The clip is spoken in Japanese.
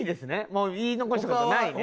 もう言い残した事はないね？